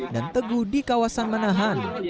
dan teguh di kawasan menahan